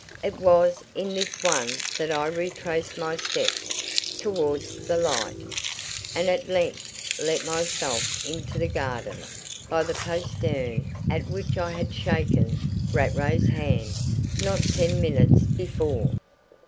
It was in this one that I retraced my steps towards the lights, and at length let myself into the garden by the postern at which I had shaken Rattray's hand not ten minutes before.